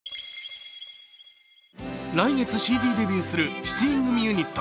来月ＣＤデビューする７人組ユニット